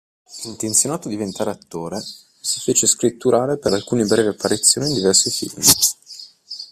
Intenzionato a diventare attore, si fece scritturare per alcune brevi apparizioni in diversi film.